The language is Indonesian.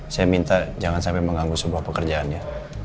saya minta jangan sampai mengganggu sebuah pekerjaan ya